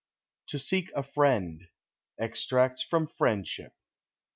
TO SEEK A FKIEXD. EXTRACTS FUOM "FRIENDSHIP."